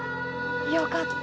よかった。